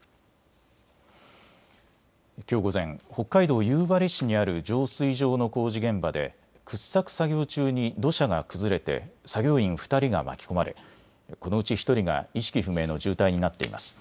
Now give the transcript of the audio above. きょう午前、北海道夕張市にある浄水場の工事現場で掘削作業中に土砂が崩れて作業員２人が巻き込まれこのうち１人が意識不明の重体になっています。